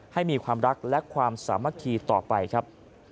ให้มีความรักและความสามัคคีต่อไปครับ